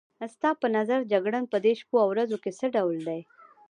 ستا په نظر جګړن په دې شپو او ورځو کې څه ډول دی؟